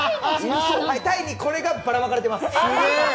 タイにこれがばらまかれています。